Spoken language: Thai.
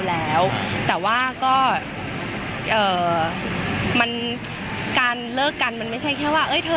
แล้วแต่ว่าก็เอ่อมันการเลิกกันมันไม่ใช่แค่ว่าเอ้ยเธอ